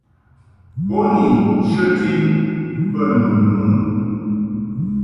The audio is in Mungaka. Bo ni nchəti bə nu mɨ.